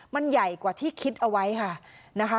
มันใหญ่กว่าที่คิดเอาไว้ค่ะนะคะ